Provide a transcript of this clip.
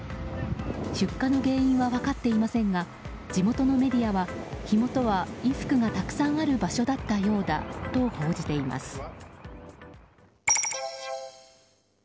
出火の原因は分かっていませんが地元のメディアは火元は衣服がたくさんある場所だったようだと報じています。